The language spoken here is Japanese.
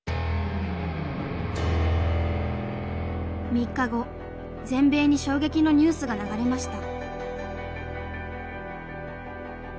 ３日後全米に衝撃のニュースが流れました。